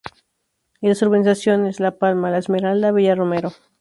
Y las urbanizaciones: La Palma, La Esmeralda, Villa Romero.